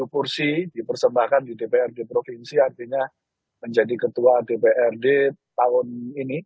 sepuluh kursi dipersembahkan di dprd provinsi artinya menjadi ketua dprd tahun ini